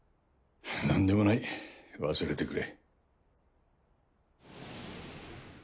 何でもない忘れてくれ。